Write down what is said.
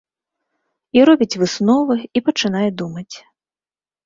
І робіць высновы, і пачынае думаць.